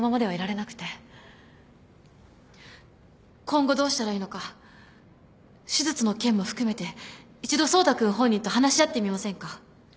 今後どうしたらいいのか手術の件も含めて一度走太君本人と話し合ってみませんか？